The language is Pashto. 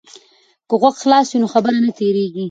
که غوږ خلاص وي نو خبره نه تیریږي.